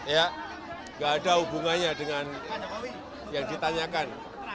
ya nggak ada hubungannya dengan yang ditanyakan